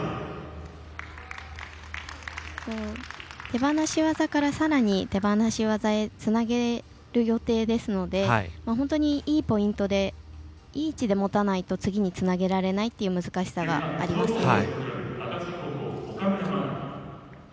手放し技からさらに手放し技につなげる予定ですので本当にいい位置で持たないと次につなげられないという難しさがありますね。